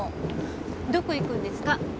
どこ行くんですか？